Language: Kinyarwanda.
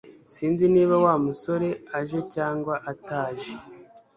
Sinzi niba Wa musore aje cyangwa ataje